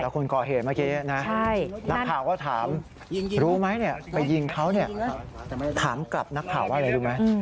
คนก่อเหตุเมื่อกี้นะนักข่าวก็ถามรู้ไหมไปยิงเขาถามกลับนักข่าวว่าอะไรรู้ไหม